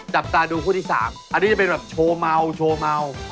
จับตาดูคู่ที่๓อันนี้จะเป็นแบบโชว์เมาโชว์เมา